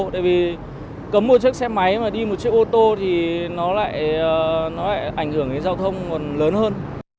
tại vì cấm một chiếc xe máy mà đi một chiếc ô tô thì nó lại ảnh hưởng đến giao thông còn lớn hơn